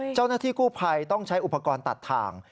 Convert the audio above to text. เจ้าหน้าที่กู้ภัยต้องใช้อุปกรณ์ตัดทาง